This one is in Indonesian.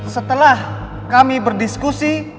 setelah kami berdiskusi